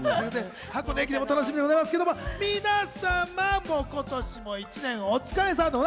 箱根駅伝も楽しみでございますけども皆様今年も１年お疲れさまでございました！